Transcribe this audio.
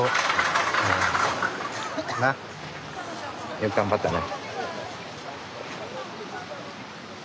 よく頑張ったね。